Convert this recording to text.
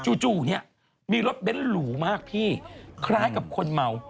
จู่เนี่ยมีรถเบ้นหรูมากพี่คล้ายกับคนเมา